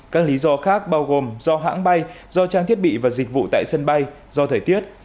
các lý do khác bao gồm do hãng bay do trang thiết bị và dịch vụ tại sân bay do thời tiết